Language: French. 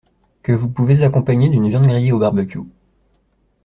Que vous pouvez accompagner d’une viande grillée au barbecue.